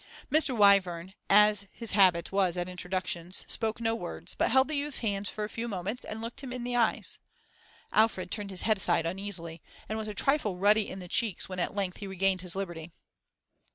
Mr. Wyvern, as his habit was at introductions, spoke no words, but held the youth's hand for a few moments and looked him in the eyes. Alfred turned his head aside uneasily, and was a trifle ruddy in the cheeks when at length he regained his liberty.